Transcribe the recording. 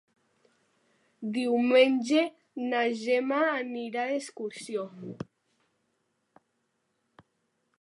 Diumenge na Gemma anirà d'excursió.